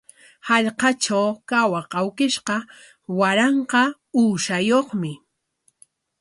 Hallqatraw kawaq awkishqa waranqa uushayuqmi.